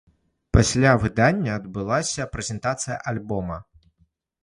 Пасля выдання адбылася прэзентацыя альбома.